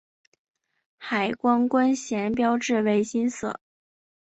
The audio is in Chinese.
海关关衔标志为金色。